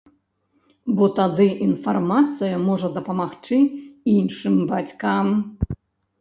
Бо тады інфармацыя можа дапамагчы іншым бацькам.